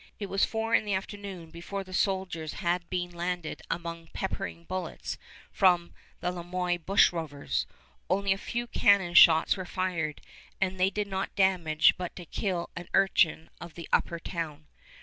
It was four in the afternoon before the soldiers had been landed amid peppering bullets from the Le Moyne bushrovers. Only a few cannon shots were fired, and they did no damage but to kill an urchin of the Upper Town.